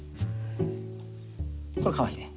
これかわいいね。